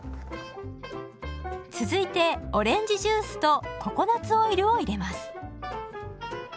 続いてオレンジジュースとココナツオイルを入れます。